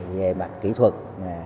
về mặt kỹ thuật